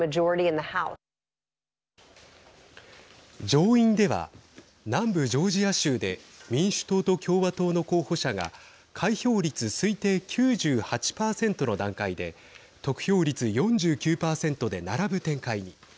上院では、南部ジョージア州で民主党と共和党の候補者が開票率推定９８％の段階で得票率４９％で並ぶ展開に。